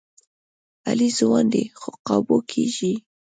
علي ځوان دی، خو قابو کېږي.